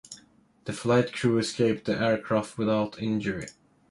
The flight crew escaped the aircraft without injury.